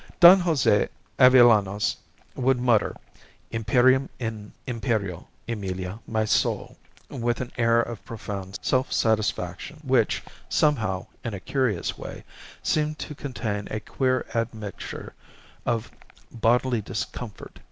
Don Jose Avellanos would mutter "Imperium in imperio, Emilia, my soul," with an air of profound self satisfaction which, somehow, in a curious way, seemed to contain a queer admixture of bodily discomfort.